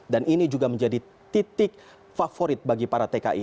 dan ini juga menjadi titik favorit bagi para tki